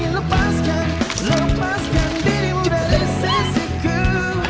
lepaskan lepaskan dirimu dari sisi ku